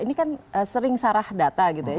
ini kan sering sarah data gitu ya